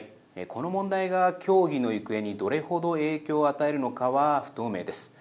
この問題が協議の行方にどれほど影響を与えるのかは不透明です。